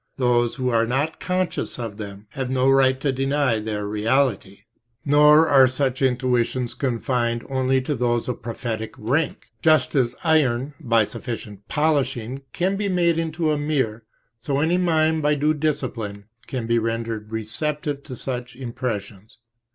Those who are not conscious of them have no right to deny their reality. {p. 26} Nor are such intuitions confined only to those of prophetic rank. Just as iron, by sufficient polishing, can be made into a mirror, so any mind by due discipline can be rendered receptive of such impressions.